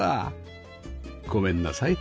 ごめんなさい